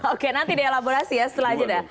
oke nanti dielaborasi ya selanjutnya